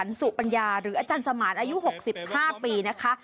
เด็กสรรสุปัญญาหรืออาจารย์สมาธิ์อายุ๖๕ปีนะคะ